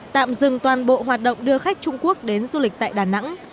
tạm dừng toàn bộ hoạt động đưa khách trung quốc đến du lịch tại đà nẵng